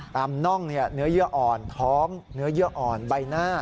น่องเนื้อเยื่ออ่อนท้องเนื้อเยื่ออ่อนใบหน้า